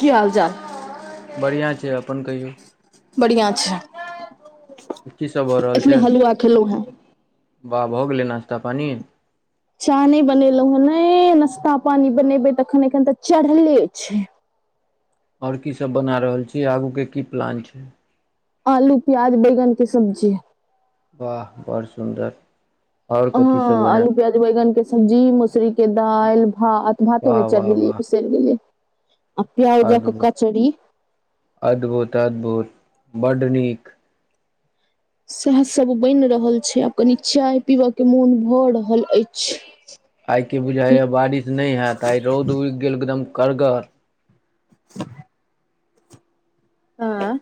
की हाल चाल। बढ़ियां छै अपन कहियौ बढ़ियां छै की सब भऽ अखने हलुआ खेलौं हँ बा भऽ गेलै नास्ता पानि चाह नैय बनेलौ हेँ नै नाश्ता पानी बनेबै तखन एखन तऽ चढ़ले छै आओर की सब बना रहल छी। आगू के की प्लान छै। आलू प्याज बैगन के सब्जी वाह बड़ सुन्दर आओर कथी सब हँ आलू बनायब। प्याज बैगन के सब्जी मौसुरी के दालि भात भातो वाह नै वाह चढ़ेलियै वाह उसरि गेलियै। आ पिआउजक अद्भुत कचरी अद्भुत अद्भुत बड नीक। सएह सब बनि रहल छै। आब कनी चाय पीबय के मुन भऽ रहल अछि। आइ की बुझाय या बारिश नै हयत आइ रौद उग गेल एकदम कगर। [inaudible] आँ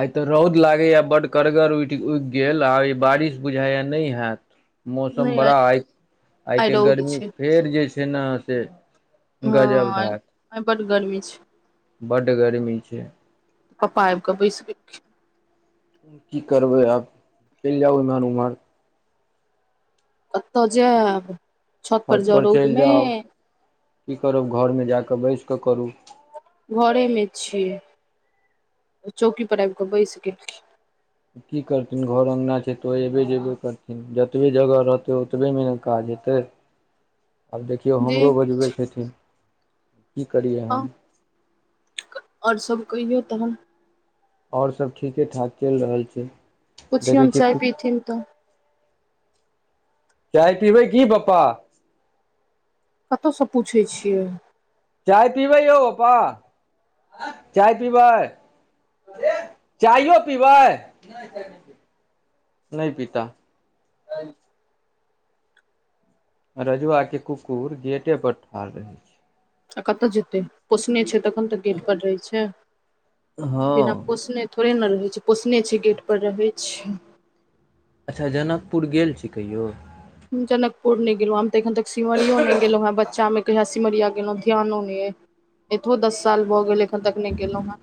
आइ तऽ रौद लागैय बड्ड कड़गर उठ उगि गेल। आई बारिश बुझाया नै हएत मौसम बड़ा आइ आइ आइके रौद गर्मी छै फेर जे छै न से। गजब हँ ढाठ आइ बड गर्मी छै बड गर्मी छै। पपा आएब क बैस गेलखिन की करबै आब चलि जाउ इम्हर उमहर कतऽ जे ब छत पर जेब रौंद में की करब घरमे जाकऽ बैस कऽ करू। घरे मे छिय। चौकी पर आबि कऽ बैस गेल। की करथिन घर अङ्गना छै। तऽ ओ अयबे जेबे करथिन जतबे जगह रहतै ओतबे म काज हतै ह [inaudible] आब देखियौ हमरो बजबै छथिन। की करियै आउ हम आओर सब कइो तहन आओर सभ ठीके ठाक चलि रहल छै। पुछिौ देखै छियै चाय कु पीथिन तऽ। चाय पीबै की पप्पा। कतहुसँ पूछै छियै। चाय पीबै यौ प पा चाय पीबै। चइओ पीबै नहि पीताऽ। ह। रजुआ के कुकुर गेटे पर ठाड़ रहे छै। आ कतऽ जेते पोसने छै। तखन तऽ गेट पर रहे छै। छै बिना हँ पोसने थोड़े ने रहे छै। पोसने छै। गेट पर रहे छै। अच्छा जनकपुर गेल छी कहियौ। जनकपुर ने गेलों हम तऽ एखन तक सिमरियो नहि गेलों हें। बच्चा मे कया सिमरिया गेलों ध्यानो नहि। यै एतहो दस साल भऽ गेल एखन तक नहि केलहुँ हेँ।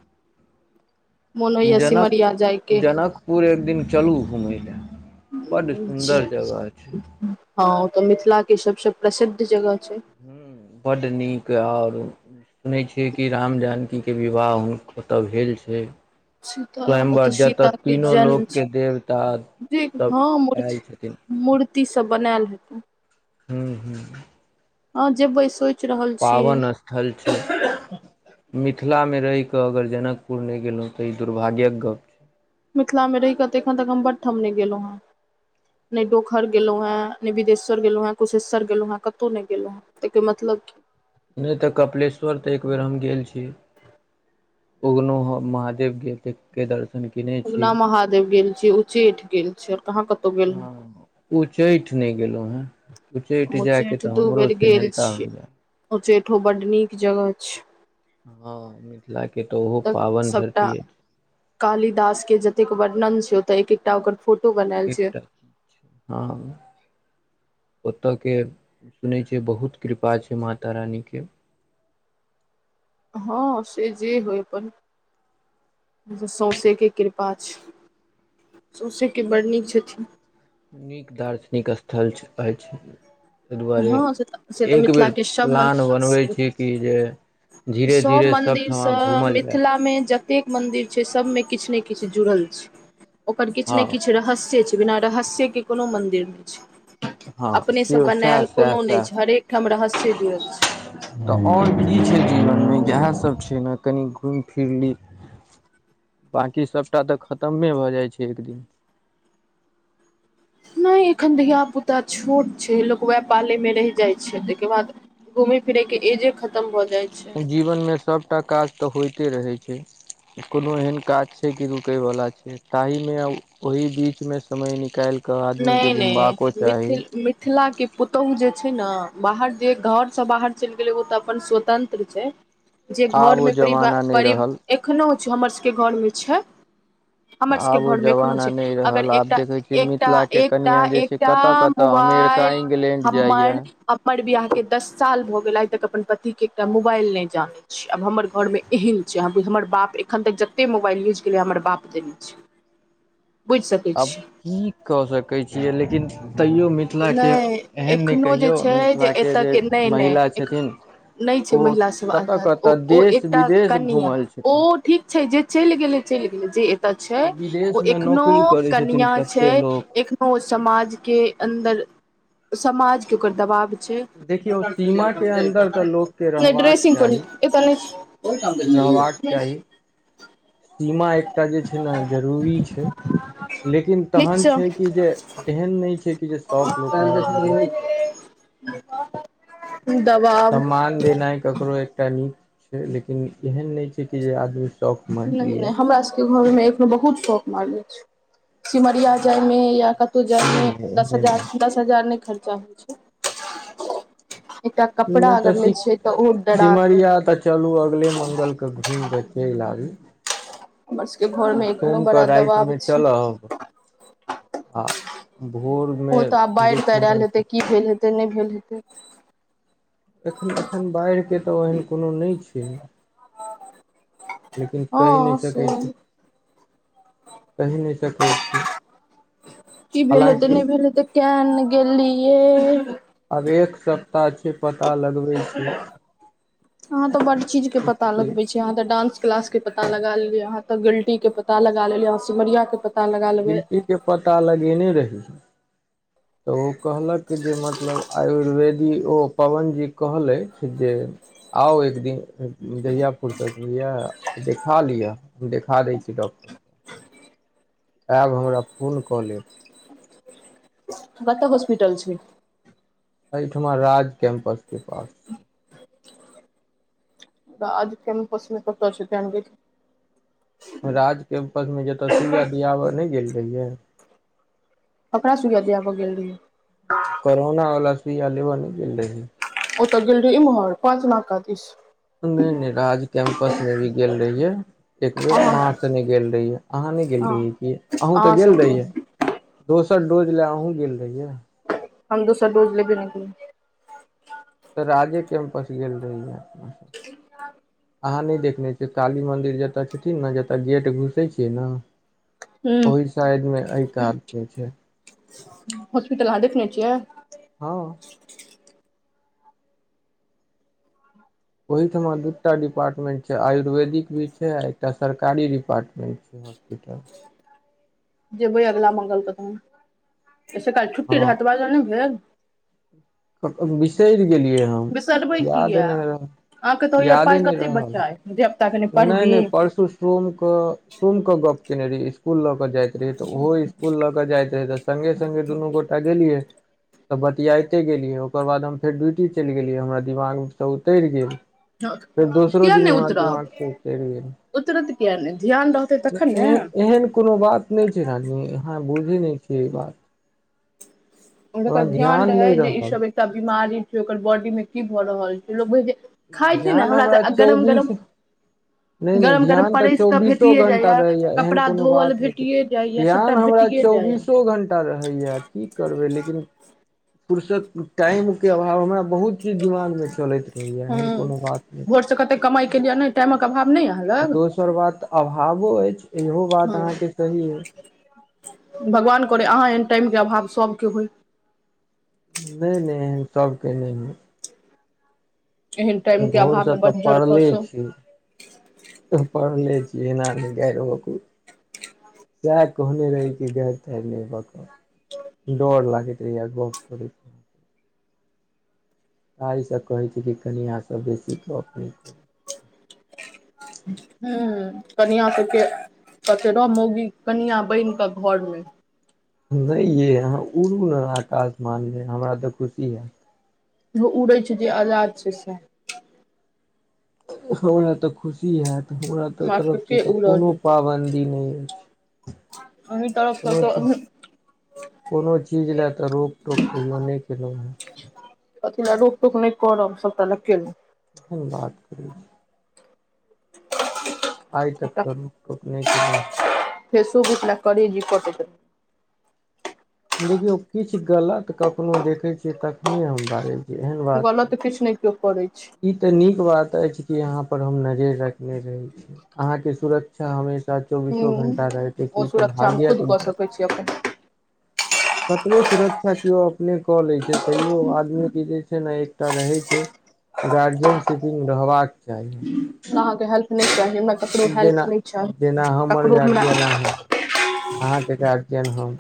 मोन होइ ये सिमरीया जाइके। पूर एक दिन चलू घुमय लए बड्ड सुन्दर जगह छै। हँ ओ तऽ मिथिला के सबस प्रसिद्ध जगह छै। ह ब्ड नीक आओर सुनै छियै। कि राम जानकीके विवाह हु कतय भेल छै। सीताराम ओतऽ स्वयंवर जतय सीता के तीनो जन्म छै लोकके देवता जे सब हँ आयल मूर्ति छथिन। मूर्ति सब बनायल हेतै। हूँ हू। हँ जेबै सोइच पावन स्थल छै मिथिलामे रहिकऽ अगर जनकपुर नहि गेलहुँ तऽ ई दुर्भाग्यक गप छै मिथिला मे र रही कत एखन तक हम बड थमनहि गेलहुँ हेँ। न डोकखर गेलो हैं। बिदेश्वर गेलो हैं। कुशेश्वर गेलों है। कतहु नहि गेलो है। ताकर मतलब। नहि त कपिलेश्वर त एक बेेर हम गेल छी। उगनो महादेव गेलत के दर्शन किने उगना महादेव गेल छीै उच्चैठ गेल छी आऔर कहाँ कतौ गेल हँ उच्चैठ ने गेलों हे उचैठ हम जाय के उच्चैठ ते दू हमरो बेर गेल सेहन्ता छी होययै उच्चैठो बड नीक जगह छै हँ मिथिलाे तऽ ओहो ओतऽ पाबनि सबटा धरतीे कालिदास के जतेक वर्णन छैत एकटा ओकर फोटो बनायल छै एक एक हँ ओतऽके सुनै छियै बहुत कृपा छै माता रानीके हँ से जे होय अपन सौसेके कृपा छै सौसेके बड़ नीक छथिन नीक दार्शनिक अस्थल अछि अई दुआरे हँ से तऽ से तऽ एक मिथिला बेर के सब प्लान बनबै छी कि जे धीरे सब धीरे सभठमा मन्दिरसँ घूमल जाय मिथिलामे ज एतेक मंदिर छै सब मे किछ ने किछ जुड़ल छै ओकर किछ ने हँ किछ रहस्य छै बिना रहस्य के कोनो मंदिर नै छै हँ से अपनेसँ सएह बनायल सएह कोनो नै सएह छै हरेक ठम रहस्य जुड़ल छै तऽ आओर कि छै जीवनमे इएहसब छै न जे कनि घुमि फिरि ली बाँकी सबटा तऽ खतमे भऽ जाइ छै एक दिन नै एखन धियापुता छोट छै लोक उएह पालैमे रहि जाइ छै ताहिके बाद घूमै फिरै के एजे खतम भऽ जाय छै जीवनमे सबटा काज तऽ होइते रहै छै कोनो एहन काज छै कि रुकैवला छै ताहिमे ओहि बीचमे समय निकालि क आदमी नहि के घुमबाको नहि चाही मिथिल मिथिला के पुतौहु जे छै न बाहर जे घर स बाहर चैल गेलै ओ त अपन स्वतंत्र छै जे आब ओ घरमे जमाना परिवार नहि परि रहल एखनो छै हमर सबके घरमे छै हमर सबके आब ओ घरमेखनो जमाना छै नहि अगर रहल आब एकटा देखै छियै एक मिथिलाके एकटा कनिआँ जे छै एकटा कतय कतय अमेरिका मोबाइल इंग्लैंड जाइए हमर हमर बिआह के दस साल भऽ गेला आइ तक अपन पति के एकटा मोबाइल नै जानै छै अब हमर घरमे एहन छै बु हमर बाप एखन तक जतेक मोबाइल यूज केलिया हमर बाप देने छै बुझि सकै आब छी की क सकै छीयै लेकिन तैयो मी नय एखनो जे छै जे मिथिलाके एतके नै नै महिला एख छथिन नै छै ओ महिलास सब कतऽ आगाद ओ कतऽ ओ देश एकटा विदेश कनियाँ घूमल ओ छथिन ठीक छै जे चलि गेलै चलि गेलै जे ए छै आ विदेश ओ मे एखनो नौकरी करै छथिन कनिया छै कते लोक एखनो ओ समाज के अन्दर समाज के ओकर दबाव छै देखियौ सीमा के अन्दर तऽ लोक के नै रहबाक ड्रेसिंग पर चाही एत नै छै ओही ठाम देलियौ रहबाक गई नै चाही छै सीमा एकटा जे छै न रूरी छै लेकिन तहन नीचा छै कि जे एहन नै छै कि जे शौक लोक मारि लैया ह [unintelligible] तू दवा सम्मान देनाइ ककरो एकटा नीक छै लेकिन एहन नै छै कि जे आदमी शौख नै नै हमरा सबके घरेमे एखनो बहुत शौक मारने छै सिमरिया जाय मे या कतौ जाय मे एहन नहि दस एहन हजार दस नहि द हजार नै खर्चा होइ छै एकटा कपड़ा नहि अगर तऽ लै छैय तऽ ओ डराक सिमरिया तऽ चलू अगले मंगलक घुमिकऽ चलि आबी हमर सबके घरमे एखनो सोम कऽ बड़ा दबाव रातिमे छै चलब आ भोरमे जे छै आल ने हेतै से की भेल हेतै नै भेल हेतै एखन एखन बाढ़िके तऽ ओहन कुनो नै छै लेकिन हँ कहि नै से सकै छी कहि नै सकै छी हलाकि कियानेगेलियै आब एक सप्ताह छै पता लगबै छै हहं तो बड़ चीज के पता छै लगबे छै यहा त डंस क्लास के पता लगा लेलियह अहााँ त गलटी के पता लगा लेलियय यहा सिमरिया के पता लगा लेबै गिलटी के पता लगेने रहै तऽ ओ कहलक जे मतलब आयुर्वेदी ओ पवन जी कहलथि जे आउ एक दिन जहियापुरसँतहोइये देखा लिअ हम देखा दै छी डॉक्टर आयब हमरा फोन कऽ लेब कत होॉस्पिटल छै एहिठमा राज कैम्पस के पास राज केमपस में कत जा केदखियौ राजके उपसमे जतऽ सुइया दियाबय नहि गेल रहियै ककरा सुूइया दियास गेल रहियै करोना बला सुइयां लेब नहीं गेल रहियै ओतऽ गेल रह इम्हर पाँच नाका दिस नहिराज कैं्मपस मे भी गेल रहियै एक बेेर अहाँ महाँसँ नहि गेल रहियै अहाँ नहि गेल हँ रहियै क अहुूँ तऽ अहाँ गेल सबके रहियै दोसर डोज लए अहुूँ गेल रहियै हम दोसर डोज लेबे नकेलियै तऽ राजे कैम्पस गेल रहिय अपना इ अहाँ नहि देखने छियै काली मंन्दिर जतय छथिन ने जतय गेट घुसै छियै ने केलियै ह ओहि शायड मे एहि कातस छै हॉस्पिटल अहाँ देखने छियै हँ ओहिठमा दू टा डिपार्टमेंट छै आयुर्वेदिक भी छै आ एकटा सरकारी डिपार्टमेंट छै हॉस्पिटल जेबै अगिला मंगलके तन स काल छुट्टी रह तऽ हॉस्पिटल बाज ने भेल बिसरि गेलियै हम बिसरबै याद किया नहि रहल यादे नहि रहल जेब तकनि नहि नहि परसू सोमके गप्प कयने रहिय इसकुल लऽ कऽ जाइत रहहिै तऽ ओहो इसकुल ल के जाइत रहियै तऽ सङगे सगे दुनू गोटा गेलियै तऽ बतियाइते गेलियै ओकर बाद हम फेर ड्यूटी चलि गेलियै हमरा दिमाग तऽ उतरि गेल फेर दोसरो किया दिन नहि हमरा उतरब दिमाग गेल उतरत किया नहि ध्यान रहतै तखन ने एहन कोनो बात नहि बूझीलियै आहा बुझय नहि छियै ई बात हमरा ध्यान नहि रहल सब बीमारी छै ओकर बॉडी मे की भऽ रहल छै लोक खाइ छी ने ध्यान हमरा तऽ गरम चौबीस गरम नहि नहि गरम गरम ध्यान तऽ परसि कऽ चौबीसो भेटिए घं्टा जाइए रहैया एहन कपड़ा कोनो धोअल बात नहि छै भेटिए जाइए सभटा ध्यान हमरा भेटिए जाइए चौबीसो घंटा रहैय की करबै लेकिन पुरस टाइमके अभाव हमरा बहुत चीज दिमागमे चलैत रहैए एहन कोनो बात नहि से कते कमाई केलिया ने टाइमक अभाव नहि या आ दोसर बात तऽ अभावो अछि इहो बात हँ अहाँकेँ सही अछि भगवान करै अहाँ एहन टाइमके अभाव सबके होइ नै नै एहन सबके नै होई एहन टाइम के अभाव भोरसँ मे तऽ बज्जर पड़ले खसो छी पड़ले छी एहन आदमी डैर होकु सएह कहने रहै कि गैर थैर नै भ क डर लागैत रहै या गप करैत आई स कहै छी कि कनि अहाँसब बेसीे गप नै करू हूँ कनियाँ सबके कतै र मौगी कनियाँ बैन कऽ घरमे नै यै अहाँ उड़ू न आकाश मान मे हमरा तऽ खुशी हएत यौ उड़ै छै जे अजाद छै सएह हमरा तऽ खुशी हएत हमरा तऽ सबके तरफसँ के तऽ उड़ऽ कोनो देत पाबन्दी नै अछि अही तरफसँ कोनो त चीज उहूँक कोनो चीज लए तऽ रोकटोक कहियो नै केलौ हेँ अथी लए रोक टोक नै करब सबटा लए केलौं बात करै छी आइ तक केलहुँ तऽ रुक टुकनै के लौं फेसोबुक लए करेजी कटैत देखियौ किछ गलत कखनो देखै छियै तखने हम बाजै छी एहन बात छै किछ नै किओ करै छै ई ते निक बात अछि कि यहाँ पर हम नजैर राखने रहै छी आहााँ के सुरत अच्छा हमेशा चौबीसो हूं घण्टा रहैत कि ओ तऽ सुरक्षा भाग्यक गप त [unintelligible] कतबो सुरक्षा किओ अपने कऽ लै छै तैयो आदमी के जे छै न एकटा रहै छै गार्जियन सिपिंग रहबाक चाही अहाँके हेल्प नै चाही हमरा ककरो जेना हेल्प नै चाही जेना हमर ककरो हमरा गार्जियन अहाँ अहाँके गारजीयन हम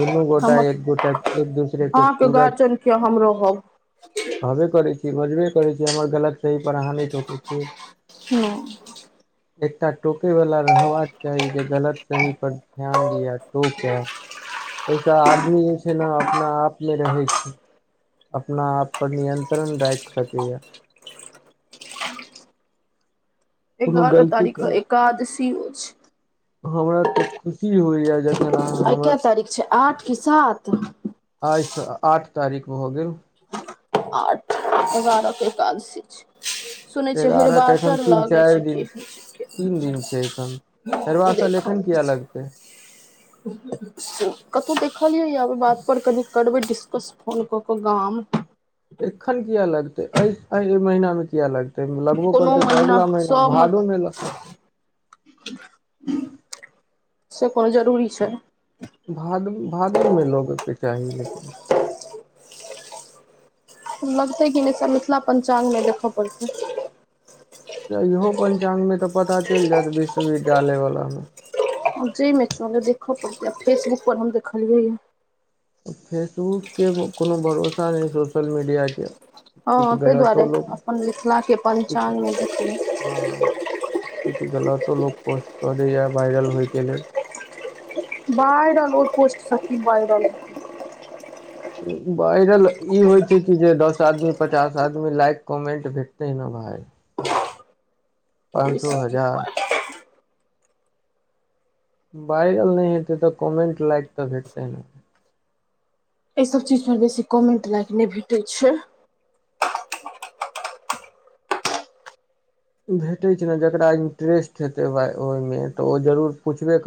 दुनू गोटा हमर एक गोटा एक दूसरे के अहाँके पूरक छी गार्जियन के हम रहब कहबे करै छी बजबे करै छी हमर गलत सही पर आहाँ नै ठोक छी हँ एकटा टोकै वाला रहबाक चाही जे गलत सही पर ध्यान दिया टोकए एहिस आदमी जे छै न अपना आपमे रहै छै अपना आप पर नियंत्रण राखि सकै या कोनो एगारह गलती तारीक कर क एकादशी ओ छै हमरा तऽ खुशी होइया जख आई कए तारीख छै आठ की सात आइ स आठ तारीख भ गेल आठ एगारहक एकादसी छै सुनै छियै एगारह के एखन हरिवासर तीन लागै चारि छै दिन की होइ छै तीन दिन छै एखन हेरबासल एखन किया लगतै कतो देखलियैया ओइ बात पर कनि करबै डिस्कस फोन कऽक गाम एखन किया लगतै अइ महीना मे किया लगतै तइ लगबो कोनो करतै तऽ अगिला महीना सब भादो मे लग से कोनो जरूरी छाय भाद भादवमे लोगके चाही लेकिन लगतै कि नै मिथिला पञ्चांगमे देख पड़तै तऽ इहो पंचांगमे तऽ पता चलि जायत विश्वविद्यालय वला मे जै मे चलै देख पड़तै फेसबुक पर हम देखलियैया फेसबुकके कोनु भरोसा नै सोशल मीडियाके हँ तइ दुआरे अपन मिथिलाके पञ्चांगमे देखि हँ किछ गततो लोक पोस्ट कदैया वायरल होइके लेल वायरलओ पोस्ट सऽ की वायरल वायरल ई होइ छैय कि जे दस आदमी पचास आदमी लाइक कॉमेंट भेटतै ने भाय पाँन सो हजार वायरल नइ हेतै तऽ कॅमेन्ट लाइक तऽ भेटतै ने अइ सब चीज पर बेसी कमेंट लायक नै भेटै छै भेटे छैय नै जेकरा इंटरेस्ट हेतै भा ओईमे तऽ ओ जरूर पूछबे